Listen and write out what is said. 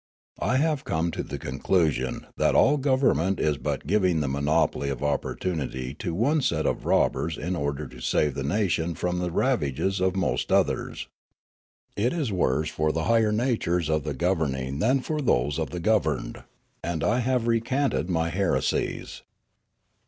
I have come to the conclusion that all government is but giv ing the monopoly of opportunity to one set of robbers in order to save the nation from the ravages of most others. It is worse for the higher natures of the gov erning than for those of the governed ; and I have recanted my heresies.